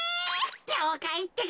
りょうかいってか！